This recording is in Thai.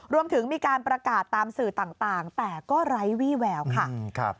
รวมถึงมีการประกาศตามสื่อต่างแต่ก็ไร้วี่แววค่ะ